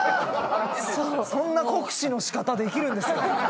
そんな酷使の仕方できるんですか？